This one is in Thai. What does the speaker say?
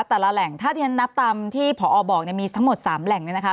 แต่ละแหล่งถ้าที่ฉันนับตามที่ผอบอกเนี่ยมีทั้งหมด๓แหล่งเนี่ยนะคะ